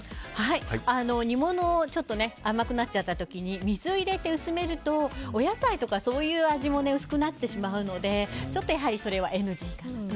煮物が甘くなっちゃった時に水を入れて薄めるとお野菜とかの味も薄くなってしまうのでやはり、それはＮＧかなと。